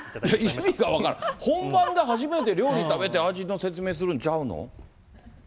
意味が分からない、本番で初めて料理食べて味の説明するんちゃうの？